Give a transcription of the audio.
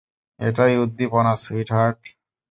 এটাই উদ্দীপনা, সুইটহার্ট।